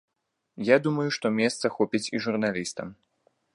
Я думаю, што месца хопіць і журналістам.